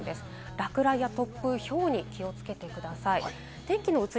落雷や突風、ひょうに気をつけてください。